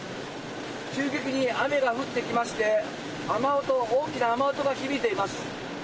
急激に雨が降ってきまして、雨音、大きな雨音が響いています。